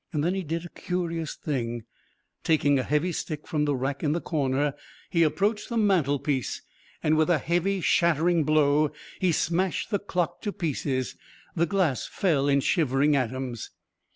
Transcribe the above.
Then he did a curious thing. Taking a heavy stick from the rack in the corner he approached the mantlepiece, and with a heavy shattering blow he smashed the clock to pieces. The glass fell in shivering atoms.